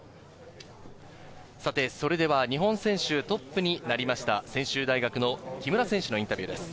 それでは日本選手トップになりました、専修大学の木村選手のインタビューです。